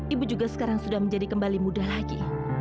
ibu juga sekarang sudah menjadi kembali mudah lagi